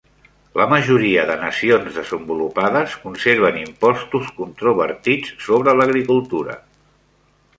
La majoria de nacions desenvolupades conserven impostos controvertits sobre l'agricultura.